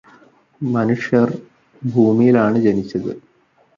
മനുഷ്യർ ഭൂമിയിലാണ് ജനിച്ചത്